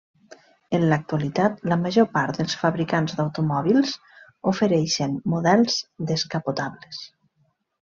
En l'actualitat, la major part dels fabricants d'automòbils ofereixen models descapotables.